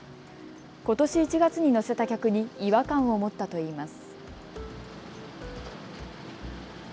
ことし１月に乗せた客に違和感を持ったといいます。